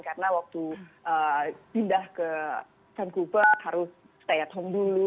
karena waktu pindah ke vancouver harus stay at home dulu